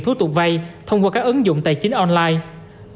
thủ tục vay thông qua các ứng dụng tài chính online